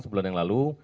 sebulan yang lalu